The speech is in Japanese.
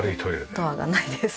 ドアがないです。